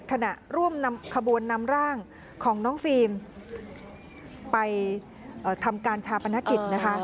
ขณะร่วมนำขบวนนำร่างของน้องฟิล์มไปทำการชาปนกิจนะคะ